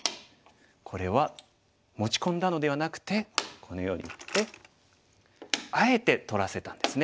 これは持ち込んだのではなくてこのようになってあえて取らせたんですね。